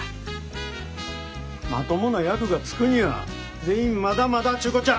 まともな役がつくには全員まだまだっちゅうこっちゃ。